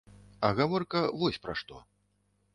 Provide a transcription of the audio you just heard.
А гаворка вось пра што.